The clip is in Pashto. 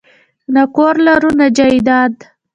نه کور لرو نه جایداد